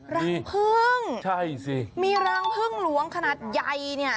รังพึ่งใช่สิมีรังพึ่งหลวงขนาดใหญ่เนี่ย